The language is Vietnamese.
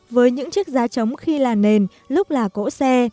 với những chiếc giá trống khi là nền lúc là cỗ xe